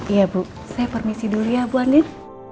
iya bu saya permisi dulu ya bu ani